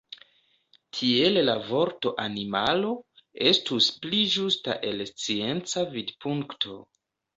Tiel la vorto „animalo” estus pli ĝusta el scienca vidpunkto.